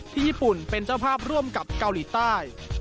ญี่ปุ่นเป็นเจ้าภาพร่วมกับเกาหลีใต้